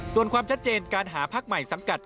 ส่วนความชัดเจนการหาพักใหม่สังกัด